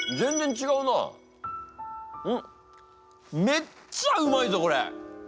めっちゃうまいぞこれ！